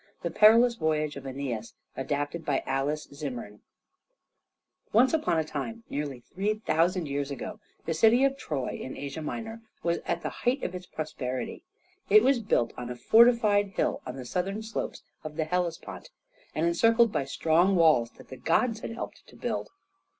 THE PERILOUS VOYAGE OF ÆNEAS ADAPTED BY ALICE ZIMMEKN Once upon a time, nearly three thousand years ago, the city of Troy in Asia Minor was at the height of its prosperity. It was built on a fortified hill on the southern slopes of the Hellespont, and encircled by strong walls that the gods had helped to build.